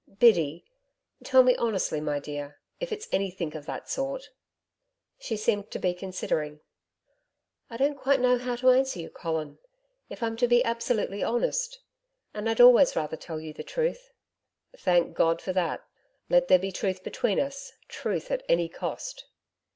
Biddy tell me honestly, my dear, if it's anything of that sort?' She seemed to be considering. 'I don't quite know how to answer you, Colin if I'm to be absolutely honest. And I'd always rather tell you the truth.' 'Thank God for that. Let there be truth between us truth at any cost.'